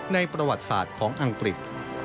ประวัติศาสตร์ของอังกฤษ